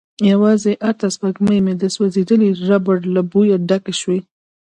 يواځې ارته سپږمې يې د سوځيدلې ربړ له بويه ډکې شوې.